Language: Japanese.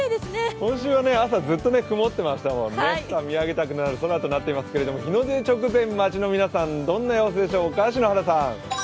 今週は朝、ずっと曇ってましたもんね、見上げたくなる空となっていますけれども日の出直前、街の皆さん、どんな様子でしょうか。